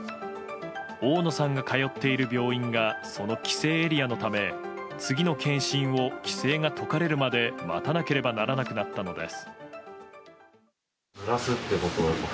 大野さんが通っている病院がその規制エリアのため次の健診を規制が解かれるまで待たなければならなくなったのです。